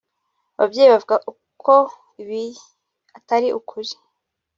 Aba babyeyi bavuga ko ibi atari ukuri